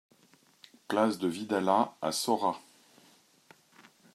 Place de Vidalat à Saurat